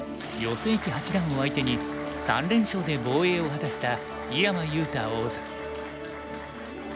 正麒八段を相手に３連勝で防衛を果たした井山裕太王座。